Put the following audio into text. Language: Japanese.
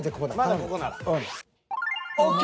まだここなら。ＯＫ！